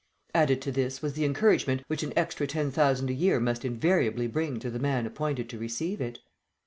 Added to this was the encouragement which an extra ten thousand a year must invariably bring to the man appointed to receive it.